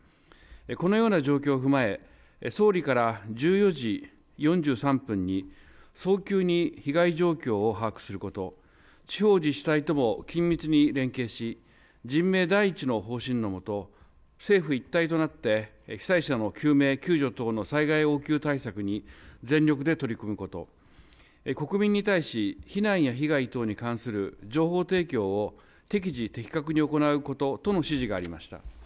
このような状況を踏まえ総理から１４時４３分に早急に被害状況を把握すること地方自治体とも緊密に連携し人命第一の方針のもと政府一体となって被災者の救命・救助等の災害応急対策に全力で取り組むこと国民に対し避難や被害等に対する情報提供を適時的確に行うこととの指示がありました。